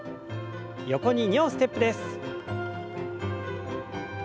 横に２歩ステップです。